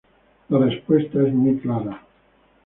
La respuesta es muy clara.